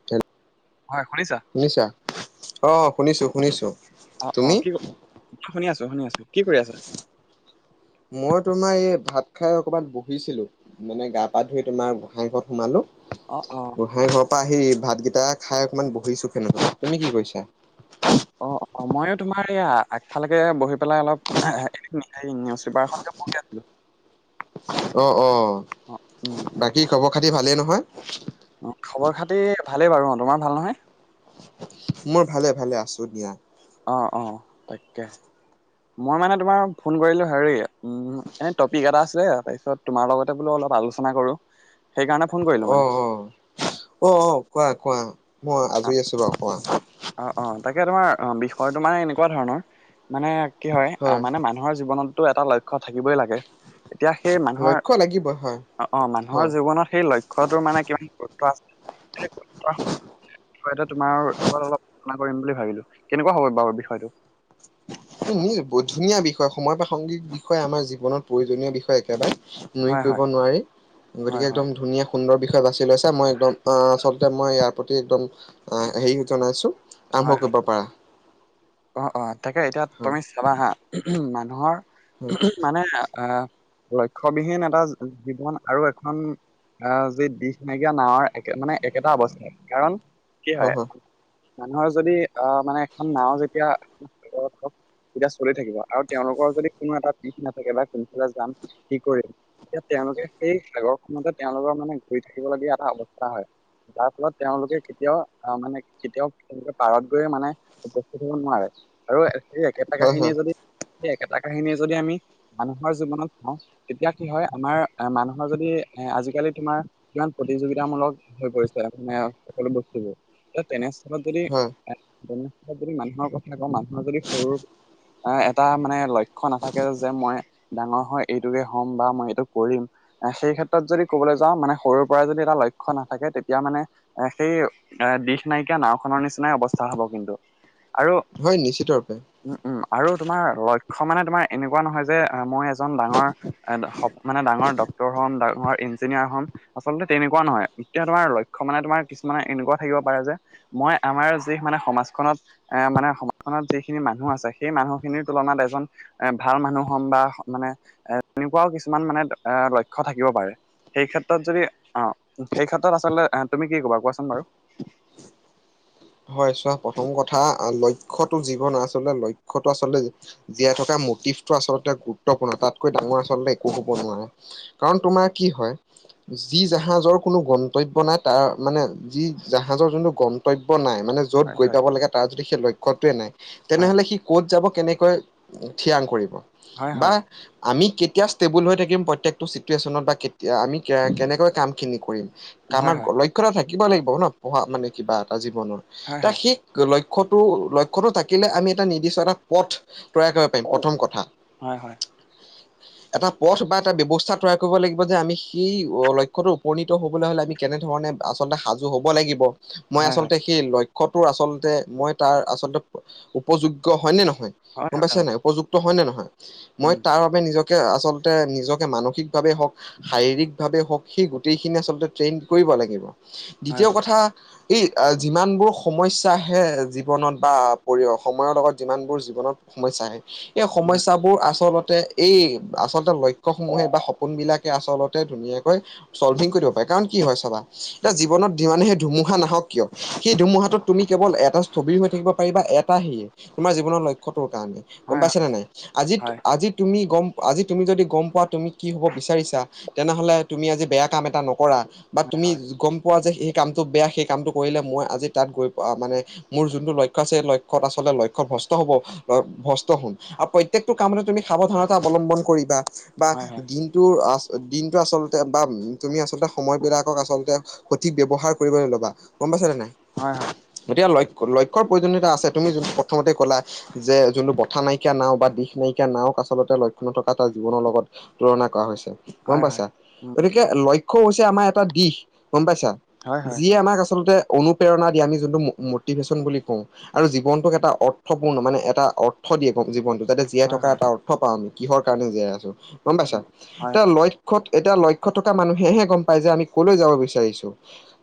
[unintelligible] হয় শুনিছা? শুনিছা? অ' শুনিছো শুনিছো। অ' তুমি অ' কি শুনি আছো, শুনি আছো। কি কৰি আছা? মই তোমাৰ এই ভাত খাই অকমান বহিছিলোঁ। মানে গা পা ধুই তোমাৰ গোঁখাই ঘৰত সোমালোঁ। অ', অ, গোঁখাই ঘৰ পৰা আহি ভাতকেইটা খাই অকণমান বহিছোঁ ফেনৰ তলত, তুমি কি কৰিছা? অ', অ, মইয়ো তোমাৰ এইয়া আগফালেকে বহি পেলাই অলপ, নিউজ পেপাৰ খনকে পঢ়ি আছিলো। [inaudible] অ', অ, অ উম বাকি খবৰ খাতি ভালেই নহয়? অ', খবৰ খাতি ভালেই বাৰু অ, তোমাৰ ভাল নহয়? মোৰ ভালে ভালে আছো দিয়া। অ', অ, তাকে। মই মানে তোমাৰ ফোন কৰিলো হেৰি উম, এ টপিক এটা আছিলে তাৰপিছত তোমাৰ লগতে বোলো অলপ আলোচনা কৰো। [inaudible] সেইকাৰণে ফোন কৰিলোঁ। অ', অ, অ, অ, কোৱা কোৱা মই অ আজৰি আছো বাৰু কোৱা। অ', অ, তাকে তোমাৰ অ, বিষয়টো মানে এনেকুৱা ধৰণৰ, মানে কি হয় আহ মানে মা [unintelligible] জীৱনতটো এটা লক্ষ্য থাকিবই লাগে। এতিয়া সেই মানুহৰ, লক্ষ্য লাগিব হয় অ, অ, মানুহৰ হয় জীৱনত সেই লক্ষ বিষয়টোৰ মানে কিমান গুৰুত্ব আছে, সেই গুৰুত্বৰ বিষয়টো তোমাৰ লগত অলপ আলোচনা কৰিম বুলি ভাবিলোঁ, কেনেকুৱা হব বাৰু বিষয়টো? উম, উম, বহুত ধুনীয়া বিষয় সময় প্ৰাসংগিক বিষয়ে আমাৰ জীৱনত প্ৰয়োজনীয় বিষয় একেবাৰে। [unintelligible] হয় কৰিব হয় নোৱাৰি, হয় গতিকে হয় একদম ধুনীয়া সুন্দৰ বিষয় বাছি লৈছো মই একদম আহ আচলতে মই ইয়াৰ প্ৰতি একদম আহ হেৰি জনাইছোঁ। আৰম্ভ হয় হয় কৰিব পাৰা। অ', অ, তাকে এতিয়া হয় তুমি চাবা হা, মানুহৰ, মানে আহ লক্ষ্যবিহীন এটা জীৱন, আৰু এখন আহ যি দিশ নাইকিয়া নাৱৰ একে মানে একেটা অৱস্থাই কাৰণ কি হয়, মানুহৰ যদি আহ মানে এখন নাওঁ যেতিয়া এতিয়া চলি থাকিব আৰু তেওঁলোকৰ যদি কোনো এটা দিশ নাথাকে বা কোনফালে যাম কি কৰিম। এতিয়া তেওঁলোকে সেই আগৰখনতে তেওঁলোকৰ মানে ঘূৰি থাকিবলগীয়া এটা অৱস্থা হয়। যাৰ ফলত তেওঁলোকে কেতিয়াও আহ মানে কেতিয়াও তেওঁলোকে পাৰত গৈয়ে মানে থাকিব নোৱাৰে, আৰু সেই একেটা হয় হয় কাহিনীয়ে যদি, সেই একেটা কাহিনীয়ে যদি আমি মানুহৰ জীৱনত কওঁ, তেতিয়া কি হয় আমাৰ এ মানুহৰ যদি এ আজিকালি তোমাৰ কিমান প্ৰতিযোগিতামূলক হৈ পৰিছে মানে সকলো বস্তুবোৰ। এ তেনেস্থলত যদি, হয় তেনেস্থলত যদি মানুহৰ কথা কওঁ মানুহৰ যদি সৰু এ এটা মানে লক্ষ্য নাথাকে যে মই ডাঙৰ হয় এইটোকে হ'ম বা মই এইটো কৰিম। এ সেই ক্ষেত্ৰত যদি ক'বলৈ যাওঁ মানে সৰুৰে পৰাই যদি এটা লক্ষ্য নাথাকে তেতিয়া মানে এ সেই, দিশ নাইকিয়া নাওখনৰ নিচিনাই অৱস্থা হব কিন্তু। আৰু হয়, নিশ্চিত ৰূপে। উম, উম, আৰু তোমাৰ লক্ষ্য মানে তোমাৰ এনেকুৱা নহয় যে মই এজন ডাঙৰ মানে ডাঙৰ ডক্তৰ হ'ম ডাঙৰ ইঞ্জিনিয়াৰ হম। আচলতে তেনেকুৱা নহয়, এতিয়া তোমাৰ লক্ষ্য মানে তোমাৰ কিছুমানে এনেকুৱা থাকিব পাৰে যে মই আমাৰ যি মানে সমাজ খনত, এ মানে সমাজখনত যিখিনি মানুহ আছে সেই মানুহখিনিৰ তুলনাত এজন এ ভাল মানুহ হম বা মানে, এ তেনেকুৱাও কিছুমান মানে এ লক্ষ্য থাকিব পাৰে। সেই ক্ষেত্ৰত যদি অ, সেই ক্ষেত্ৰত আচলতে তুমি কি ক'বা কোৱাচোন বাৰু? হয় চোৱা প্ৰথম কথা আহ লক্ষ্যতো জীৱন আচলতে লক্ষ্যতটো আচলতে জীয়াই থকা মটিভটো আচলতে গুৰুত্বপূৰ্ণ তাতকৈ ডাঙৰ আচলতে একো হ'ব নোৱাৰে। কাৰণ তোমাৰ কি হয় যি জাহাজৰ কোনো গন্তব্য নাই তাৰ মানে, যি জাহাজৰ যোনটো গন্তব নাই মানে যত হয়, গৈ হয়, পাব লাগে তাৰ যদি সেই লক্ষ্যতোৱে নাই হয়, তেনেহ'লে সি ক'ত যাব কেনেকৈ থিৰাং কৰিব হয়, বা হয়, আমি কেতিয়া ষ্টেবুল হৈ থাকিম প্ৰত্যেকটো চিটুৱেশ্যনত বা কেতিয়া আমি কেনেকৈ কাম খিনি কৰিম হয়, হয়, আমাৰ হয়, লক্ষ্য এটা থাকিবই লাগিব ন পঢ়া মানে কিবা টা জীৱনৰ হয়, হয়, এটা সে লক্ষ্যটো-লক্ষ্যটো থাকিলে আমি এটা নিৰ্দিষ্ট এটা পথ তৈয়াৰ কৰিব পাৰিম প্ৰথম কথা৷ হয়-হয় এটা পথ বা এটা ব্যৱস্থা তৈয়াৰ কৰিব লাগিব যে আমি সেই লক্ষ্যটো উপনীত হ'বলৈ হ'লে আমি কেনে ধৰণে আচলতে সাজু হব লাগিব৷ মই হয়, হয়, হয়, আচলতে সেই লক্ষ্যটোৰ আচলতে মই তাৰ আচলতে উপযোগ্য হয়নে নহয়৷ গম হয়, পাইছে নাই উপযুক্ত হয় নে নহয় মই উম, তাৰ নিজকে আচলতে নিজকে মানসিকভাৱে হওক শাৰীৰিক ভাৱে হওক সেই গোটেইখিনি আচলতে ট্ৰেইন কৰিব লাগিব হয়, দ্বিতীয় কথা এই যিমানবোৰ সমস্যা আহে জীৱনত বা পৰি সময়ৰ লগত যিমানবোৰ জীৱনত সমস্যা আহে এই হয়, সমস্যাবোৰ আচলতে এই আচলতে লক্ষ্যসমূহে বা সপোন বিলাকে আচলতে ধুনীয়াকৈ চল্ভিং কৰিব দিব পাৰে কাৰণ কি হয় চাবা এতিয়া জীৱনত যিমানে সেই ধুমুহা নাহক কিয় সেই ধুমুহাত টোত তুমি কেৱল এটা স্থবিৰ হৈ থাকিব পাৰিবা এটা হিয়ে তোমাৰ জীৱনৰ লক্ষ খটো কাৰণে গম হয়, পাইছ নে নাই আজি হয়, আজি তুমি গম আজি তুমি যদি গম পোৱা তুমি কি হব বিচাৰিছা তেনেহলে তুমি আজি বেয়া কাম এটা নকৰা৷ বা হয়, তুমি হয়, গম পোৱা যে সেই কামটো বেয়া সেই কামটো কৰিলে মই আজি তাত গৈ প মানে মোৰ যোনটো লক্ষ্য আছে লক্ষ্যত আচলতে লক্ষ্য ভ্ৰস্ত হব৷ ভ্ৰস্ত হ আৰু প্ৰত্যয়েটো কামতে তুমি সাৱধানতা অৱলম্বন কৰিবা বা হয়, হয়, দিন টোৰ আ দিনটো আচলতে বা তুমি আচলতে সময়বিলাকক আচলতে সঠিক ব্যৱহাৰ কৰিব ল'বা গম পাইছা নে নাই৷ হয়-হয় এতিয়া লক্ষ লক্ষ্যৰ প্ৰয়োজনীয়তা আছে তুমি যি প্ৰথমতে ক'লা যে যোনটো বথা নাইকিয়া নাও বা দিশ নাইকিয়া নাও আচলতে লক্ষ্ণ নথকা তাৰ জীৱনৰ লগত তুলনা কৰা হৈছে৷ গম হয়, হয়। পাইছা উম, গতিকে লক্ষ্য হৈছে আমাৰ এটা দিশ গম পাইছা হয়, হয়, যিয়ে আমাক আচলতে অনুপ্ৰেৰণা দিয়ে আমি যোনটো ম মটিভেশ্যন বুলি কওঁ৷ আৰু জীৱনটোক এটা অৰ্থপূৰ্ণ মানে এটা অৰ্থ দিয়ে জীৱনটো যাতে জীয়াই হয়, থকা হয়, এটা অৰ্থ পাওঁ আমি কিহৰ কাৰণে জীয়াই আছো গম পাইছা উম, হয়, এতিয়া হয়, ল লক্ষ্যত এতিয়া লক্ষ্য থকা মানুহেহে গম পায় যে আমি কলৈ যাব বিচাৰিছো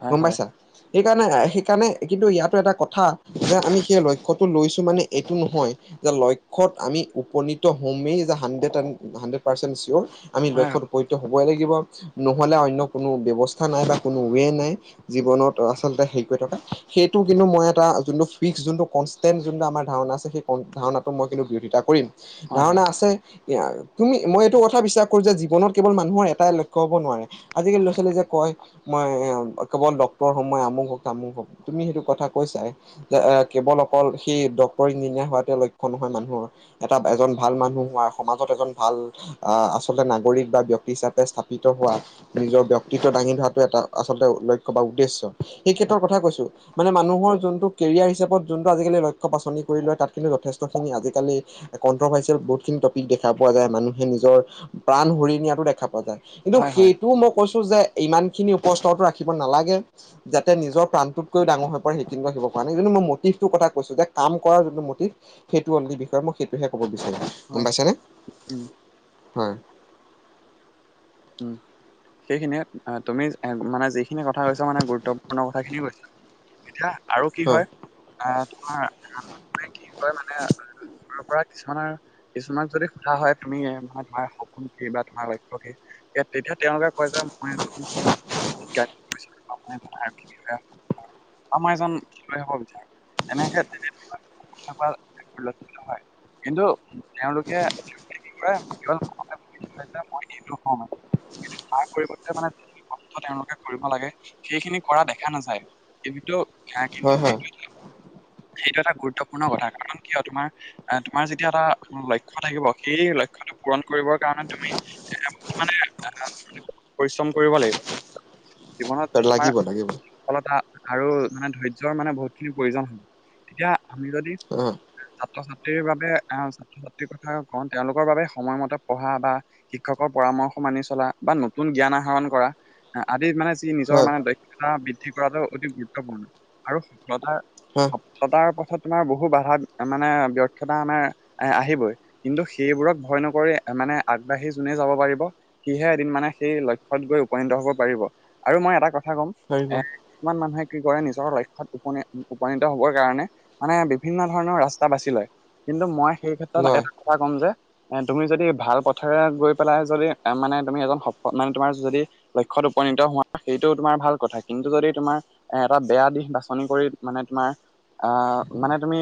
হয়, গম হয়, পাইছা৷ সেইকাৰণে-সেইকাৰণে কিন্তু ইয়াতো এটা কথা যে আমি সেই লক্ষ্যটো লৈছো মানে এইটো নহয় যে লক্ষ্যত আমি উপনীত হমেই যে hundred and hundred percent sure আমি হয়, লক্ষ্যত উপনিত হ'বই লাগিব নহ'লে অন্য কোনো ব্যৱস্থা নাই বা কোনো ৱে নাই জীৱনত আচলতে সেইটো এটা সেইটো কিন্তু মই এটা যোনটো ফিক্স যোনটো কনন্টেনট যোনটো আমাৰ ধাৰণা আছে ধাৰণাটো মই কিন্তু বিৰোধিতা কৰিম হয়, ধাৰণা আছে য়া তুমি মই এইটো কথা বিশ্বাস কৰো যে জীৱনত কেৱল মানুহৰ এটাই লক্ষ্য হ'ব নোৱাৰে৷ আজিকালি ল'ৰা ছোৱালী যে কয় মই এ কেৱল সময় [unintelligible] আমুক হম তামুক হম তুমি সেইটো কথা কৈছাই৷ এ কেৱল অকল সেই ডক্তৰ ইঞ্জিনিয়াৰ হোৱাতোৱে লক্ষ্য নহয় মানুহৰ৷ এটা এজন ভাল মানুহ হোৱাৰ সমাজত এজন ভাল আহ আচলতে নাগৰিক বা ব্যক্তি হিচাপে স্থাপিত হোৱা৷ নিজৰ ব্যক্তিত দাঙি ধৰাটো এটা আচলতে লক্ষ্য বা উদ্দেশ্য সেই ক্ষেত্ৰৰ কথা কৈছো৷ মানে মানুহৰ যোনটো কেৰিয়াৰ হিচাপত যোনটো আজিকালি লক্ষ্য বাছনি কৰি লয় তাত কিন্তু যথেষ্টখিনি আজিকালি কনট্ৰভাৰ্চিয়েল বহুত খিনি টপিক দেখা পোৱা যায় মানুহে নিজৰ প্ৰাণ হৰি নিয়াতো দেখা পোৱা যায়৷ কিন্তু হয়, হয়, হয়, সেইটোও মই কৈছো যে ইমান খিনি উপস্থৰ ৰাখিব নালাগে৷ যাতে নিজৰ প্ৰাণতকৈও ডাঙৰ হৈ পৰে সেইখিনি শিকিব পৰা নাই যোনটো মই মটিভটোৰ কথা কৈছো যে কাম কৰাৰ যোনটো মটিভ সেইটো অনলি বিষয় মই সেইটোহে কব বিচাৰিম হয়, গম পাইছা নে উম, হয় উ সেইখিনিয়ে তুমি মানে যিখিনি কথা কৈছা মানে গুৰুত্বপূৰ্ণ কথাখিনিয়ে কৈছা এতিয়া আৰু কি হয় আহ তোমাৰ কি হয় মানে তাৰ পৰা কিছুমানৰ কিছুমানক যদি সোধা হয় তুমি মানে তোমাৰ সপোন কি বা তোমাৰ লক্ষ্য কি তে তেতিয়া তেওঁলোকে কয় যে মই এজন আৰ্মী বিষয়া হম আমাৰ এজন খেলুৱৈ হব বিচাৰে এনেকে তেনেকে তেনেকোৱা লক্ষ্য হয় কিন্তু তেওঁলোকে, তেওঁলোকে কি কয় কি হল তাৰ পৰিৱৰ্তে মানে যিখিনি কষ্ট তেওঁলোকে কৰিব লাগে সেইখিনি কৰা দেখা নাযায় কিন্তু কিন্তু হয় হয় সেইটো সেইটো এটা গুৰুত্বপূৰ্ণ কথা কাৰণ কিয় তোমাৰ আহ তোমাৰ যেতিয়া এটা লক্ষ্য থাকিব সেই লক্ষ্যটো পূৰণ কৰিবৰ কাৰণে তুমি একদম মানে পৰিশ্ৰম কৰিব লাগিব জীৱনত তোমাৰ লাগিব লাগিব সফলতা আৰু মানে ধৈৰ্য্যৰ মানে বহুতখিনি প্ৰয়োজন হব তেতিয়া আমি যদি হয় ছাত্ৰ ছাত্ৰীৰ বাবে আহ ভন্তিৰ কথা কও তেওঁলোকৰ বাবে সময়মতে পঢ়া বা শিক্ষকৰ পৰামৰ্শ মানি চলা বা নতুন জ্ঞান আহৰণ কৰা আদিত মানে যি নিজৰ হয় মানে দক্ষ লতা বৃদ্ধি কৰাটো অতি গুৰুত্বপূৰ্ণ আৰু সফলতাৰ হ সফলতাৰ পথত তোমাৰ বহু বাধা মানে ব্যৰ্থতা আমাৰ আহ আহিবই কিন্তু সেইবোৰক ভয় নকৰি মানে আগবাঢ়ি যোনে যাব পাৰিব সিহে এদিন মানে সেই লক্ষ্যত গৈ উপনীত হব পাৰিব আৰু মই এটা কথা কম পাৰিব কিমান মানুহে কি কৰে নিজৰ লক্ষ্যত উপনী উপনীত হবৰ কাৰণে মানে বিভিন্ন ধৰণৰ ৰাস্তা বাচি লয় কিন্তু মই সেই ক্ষেত্ৰত নয় এটা কথা ক'ম যে এ তুমি যদি ভাল পথেৰে গৈ পেলাই যদি মানে তুমি এজন সফ মানে তোমাৰ যদি লক্ষ্যত উপনীত হোৱা সেইটো তোমাৰ ভাল কথা কিন্তু যদি তোমাৰ এ এটা বেয়া দিশ বাছনি কৰি মানে তোমাৰ আহ মানে তুমি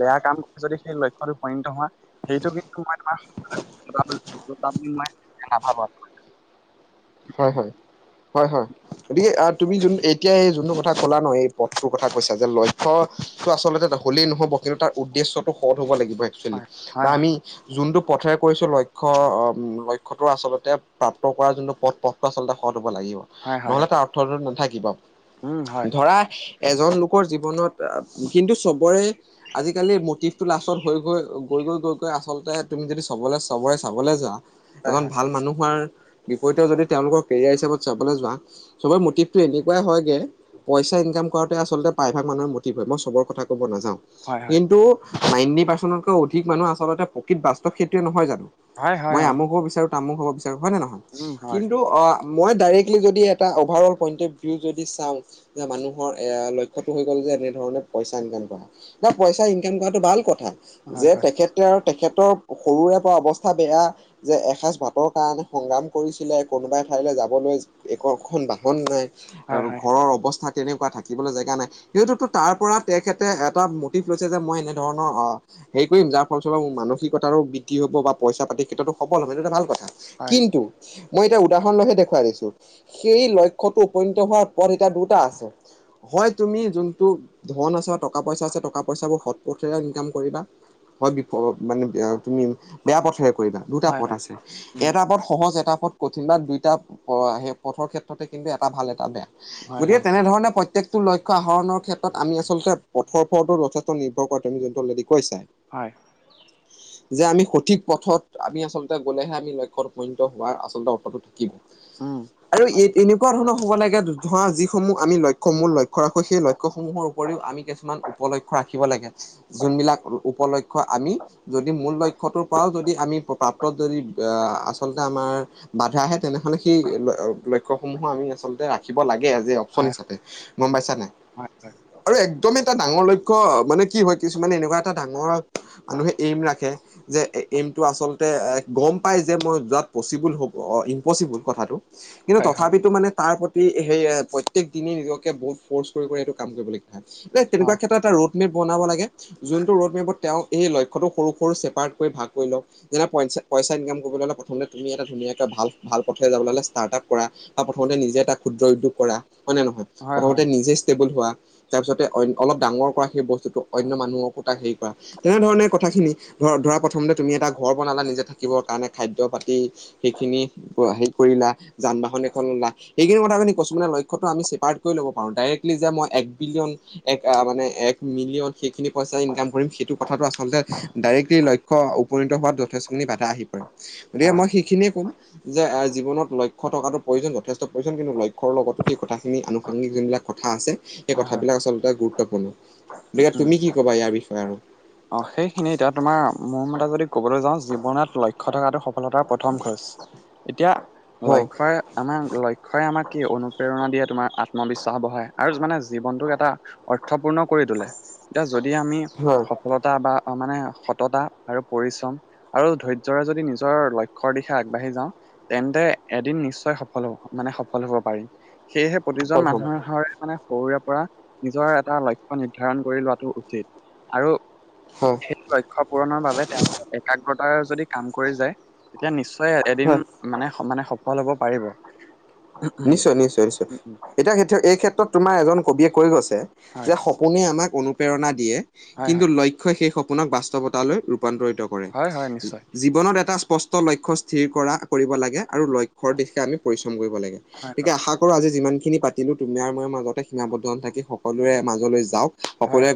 বেয়া কাম কৰি যদি সেই লক্ষ্যত উপনীত হোৱা সেইটো কিন্তু মই তোমাৰ বুলি মই নাভাবো আ হয় হয় হয় হয় গতিকে আহ তুমি যোন এতিয়া এই যোনটো কথা কলা নহ এই পথটোৰ কথা কৈছা যে লক্ষ্য টো আচলতে হ'লেই নহ'ব কিন্তু তাৰ উদ্দেশ্যটো সৎ হ'ব লাগিব একচুৱেলী হয় বা হয় হয় আমি যোনটো পথেৰে কৈছো লক্ষ্য লক্ষ্যটো আচলতে প্ৰাপ্ত কৰা যোনটো পথ পথটো আচলতে সৎ হ'ব লাগিব হয় হয় নহ'লে অ। তাৰ অৰ্থটো নাথাকিব উম হয় ধৰা এজন লোকৰ জীৱনত কিন্তু চবৰে আজিকালি মটিভটো লাষ্টত হৈ হৈ গৈ গৈ গৈ গৈ আচলতে তুমি যদি চবলৈ চবৰে চাবলৈ যোৱা হয় এজন হয় ভাল মানুহ হোৱাৰ বিপৰীতে যদি তেওঁলোকৰ কেৰিয়াৰ হিচাপত চাবলৈ যোৱা চবৰে মটিভটো এনেকোৱাই হ'য়গে পইচা ইনকাম কৰাটোৱে আচলতে প্ৰায়ভাগ মানুহৰ মটিভ হয় মই চবৰ কথা কব নাযাও হয় কিন্তু নাইনটি পাৰ্চেন্টতকৈ অধিক মানুহ আচলতে প্ৰকৃত বাস্তৱ সেইটোয়ে নহয় জানো হয় হয় হয় মই অ আমুক হ'ব বিচাৰো তামুক হ'ব বিচাৰো হয় নে নহয় উম হয় কিন্তু অ মই ডাইৰেক্টলি যদি এটা অভাৰল পইন্ট অফ ভিউ যদি চাও যে মানুহৰ এ লক্ষ্যতো হৈ গ'ল যে এনেধৰণে পইচা ইনকাম কৰা যে পইচা ইনকাম কৰাটো ভাল কথা হয় যে হয় তেখেতে আৰু তেখেতৰ সৰুৰে পৰা অৱস্থা বেয়া যে এসাঁজ ভাতৰ কাৰণে সংগ্ৰাম কৰিছো কোনোবাই ঠাইলৈ যাবলৈ এখন বাহন নাই হয় আৰু হয় ঘৰৰ অৱস্থা তেনেকুৱা থাকিবলৈ জেগা নাই। সেইটোতো তাৰ পৰা তেখেতে এটা মটিভ লৈছে যে মই এনেধৰণৰ আহ হেৰি কৰিম যাৰ ফলস্বৰূপে মানসিকতাৰো বৃদ্ধি হ'ব বা পইচা পাতি ক্ষেত্ৰতো সবল হ'য় সেইটোতো এটা ভাল কথা। হয় কিন্তু মই এতিয়া উদাহৰণ লৈহে দেখুৱাই দিছো সেই লক্ষ্যটো উপনীত হোৱাৰ পথ এতিয়া দুটা আছে। হয় তুমি যোনটো ধন আছে বা টকা - পইচা আছে টকা - পইচাবোৰ সৎ পথেৰে ইনকাম কৰিবা। হয় বি প মানে তুমি বেয়া পথৰে কৰিবা দুটা হয় পথ হয় আছে, উম এটা পথ সহজ এ টা পথ কঠিন বা দুইটা সেই পথৰ ক্ষেত্ৰতে কিন্তু এটা ভাল এটা বেয়া। হয় গতিকে হয় তেনেধৰণে প্ৰত্যেক লক্ষ্য আহৰণৰ ক্ষেত্ৰত আমি আচলতে পথৰ উপৰতো যথেষ্ট নিৰ্ভৰ কৰা তুমি যোনটো কৈছা। হ'য়। যে আমি সঠিক পথত আমি আচলতে গ'লেহে আমি লক্ষ্যত উপনীত হোৱাৰ আচলতে অৰ্থটো থাকিব। উম আৰু এ এনেকুৱা ধৰণৰ হ'ব লাগে ধৰা যিসমূহ আমি ল সমূহ লক্ষ্য ৰাখো সেই লক্ষ্যসমূহৰ উপৰিও আমি কিছুমান উপলক্ষ্য ৰাখিব লাগে। যোনবিলাক উপলক্ষ্য আমি যদি মূল লক্ষ্যটোৰ পৰাও যদি আমি প্ৰাপ্তত যদি আহ আচল তা আমাৰ বাধা আহে তেনেহলে সেই ল লক্ষ্যসমূহো আমি আচলতে ৰাখিব লাগে আজি ফোন হয় হিচাপে গম পাইছা নাই। হয় আৰু একদমেই এটা ডাঙৰ লক্ষ্য মানে কি হয় কিছুমানে এনেকুৱা এটা ডাঙৰ মানুহে এইম ৰাখে যে এইমটো আচলতে এ গম পাই যে মই যাত পচিবল হ'ব ইমপচিবল কথাটো কিন্তু হয় হয় তথাপিতো মানে তাৰ প্ৰতি সেই প্ৰত্যেক দিনে নিজকে বহুত ফ'ৰ্চ কৰি - কৰি এইটো কাম কৰিবলগীয়া হ'য় মানে হয় হয় তেনেকুৱা ক্ষেত্ৰত এটা ৰোড মেপ বনাব লাগে যোনটো ৰোডমেপত তেওঁ এই লক্ষ্যতো সৰু- সৰু ছেপাৰেট কৰি ভাগ কৰি লওক, যেনে পইচা পইচা ইনকাম কৰিবলৈ হ'লে প্ৰথমতে তুমি এটা ধুনীয়াকৈ ভাল - ভাল পথে যাবলৈ হ'লে ষ্টাৰ্টআপ কৰা বা প্ৰথমতে নিজে এটা ক্ষুদ্ৰ উদ্যোগ কৰা হ'য় নে নহ'য়? হয় হয় প্ৰথমতে নিজে ষ্টেবল হোৱা তাৰপিছতে অলপ ডাঙৰ কৰা সেই বস্তুটো অন্য মানুহকো তাক হেৰি কৰা তেনেধৰণে কথাখিনি ধৰ ধৰা প্ৰথমতে তুমি এটা ঘৰ বনালা নিজে থাকিবৰ কাৰণে খাদ্য পাতি সেইখিনি হেৰি কৰিলা, যানবাহন এখন ললা এইখিনি কথাখিনি কৈছোঁ মানে লক্ষ্যতো আমি ছেপাৰট কৰি ল'ব পাৰো ডাইৰেক্টলি যে মই এক বিলিয়ন এক মানে এক মিলিয়ন সেইখিনি পইচা ইনকাম কৰিম সেইটো কথাটো আচলতে ডাইৰেক্টলি লক্ষ্যত উপনীত হোৱাত যথেষ্টখিনি বাধা আহি পৰে গতিকে হয় মই সেইখিনিয়ে ক'ম যে জীৱনত লক্ষ্য থকাটো প্ৰয়োজন যথেষ্ট প্ৰয়োজন কিন্তু লক্ষ্যৰ লগতো সেই কথাখিনি আন সাংগিক যোনবিলাক কথা আছে সেই হয় হয় হয় কথাবিলাক আচলতে গুৰুত্বপূৰ্ণ। গতিকে উম তুমি কি ক'বা ইয়াৰ বিষয়ে আৰু? অ সেইখিনি এতিয়া তোমাৰ মোৰ মতে যদি ক'বলৈ যাওঁ জীৱনত লক্ষ্য থকাটো সফলতাৰ প থম খৰচ এতিয়া হয় লক্ষ্যই আমাৰ লক্ষ্যই আমাক কি অনুপ্ৰেৰণা দিয়ে, তোমাৰ আত্মবিশ্বাস বঢ়ায় আৰু মানে জীৱনটোক এটা অৰ্থপূৰ্ণ কৰি তোলে এতিয়া যদি আমি হয়। সফলতা বা মানে সততা আৰু পৰিশ্ৰম আৰু ধৈয্যৰে যদি নিজৰ লক্ষ্যৰ দিশে আগবাঢ়ি যাওঁ তেন্তে এদিন নিশ্চয় সফল হব মানে সফল হব পাৰিম সেয়েহে প্ৰতিজন সফল হ'ম মানুহৰ হয়। মানে সৰুৰে পৰা নিজৰ এটা লক্ষ্য নিৰ্ধাৰণ কৰি লোৱাটো উচিত আৰু হয়। এই লক্ষ্যত পূৰণৰ বাবে তেওঁলোকৰ একাগ্ৰতা যদি কাম কৰি যায় তেতিয়া নিশ্চয় এদিন হয় মানে - মানে সফল হ'ব পাৰিব। উম, নিশ্চয়, নিশ্চয়, নিশ্চয় উম, এতিয়া এই ক্ষেত্ৰত তোমাৰ এজন কবিয়ে কৈ গৈছে যে হয় স সপোনে আমাক অনুপ্ৰেৰণা দিয়ে, হয় কিন্তু হয় লক্ষ্য ই সেই সপোনক বাস্তৱতালৈ ৰূপান্তৰিত কৰে। হয় হয় নিশ্চয় জীৱনত এটা ইস্পষ লক্ষ্যত স্থিৰ কৰা কৰিব লাগে আৰু লক্ষ্য দিশে আমি পৰিশ্ৰম কৰিব লাগে, হয় গতিকে হয় আশা আজি যিমান খিনি পাতিলো তুমি আৰু মোৰ মাজতে সীমাবদ্ধ হৈ থাকিব সকলোৰে মাজলৈ যাওঁ, হয় সকলোৱে